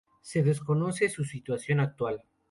Se desconoce su situación actual.